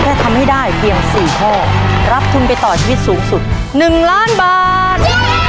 ทำให้ได้เพียง๔ข้อรับทุนไปต่อชีวิตสูงสุด๑ล้านบาท